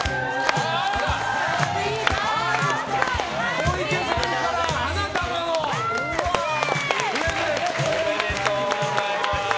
小池さんから花束をプレゼントです！おめでとうございます！